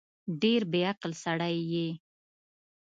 ډېر بیعقل سړی یې